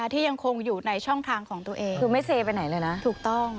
ที่คงอยู่ในช่องทางของตัวเอง